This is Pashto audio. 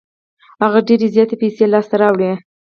هغه ډېرې زياتې پیسې لاس ته راوړې.